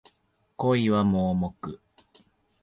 恋は盲目